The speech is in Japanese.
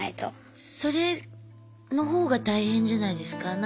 それのほうが大変じゃないですか？